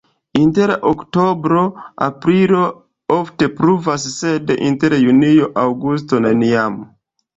Inter oktobro-aprilo ofte pluvas, sed inter junio-aŭgusto neniam.